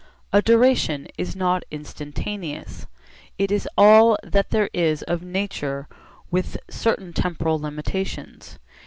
A duration is not instantaneous. It is all that there is of nature with certain temporal limitations.